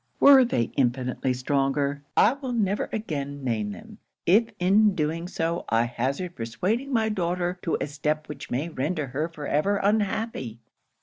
Were they infinitely stronger, I will never again name them, if in doing so I hazard persuading my daughter to a step which may render her for every unhappy."